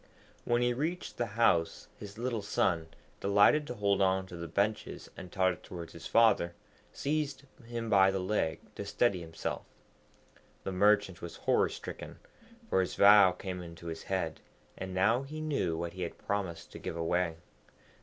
When he reached the house his little son, delighted to hold on to the benches and totter towards his father, seized him by the leg to steady himself. The Merchant was horror stricken, for his vow came into his head, and now he knew what he had promised to give away.